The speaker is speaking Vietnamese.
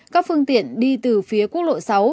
các phương tiện đi từ phía quốc lộ sáu